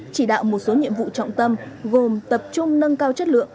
chỉ đạo một số nhiệm vụ trọng tâm gồm tập trung nâng cao chất lượng